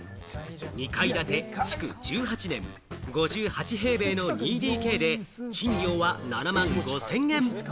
２階建て、築１８年、５８平米の２ＤＫで賃料は７万５０００円。